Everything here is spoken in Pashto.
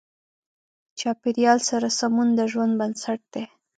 چاپېریال سره سمون د ژوند بنسټ دی.